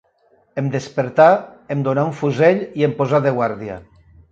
Em despertà, em donà un fusell i em posà de guàrdia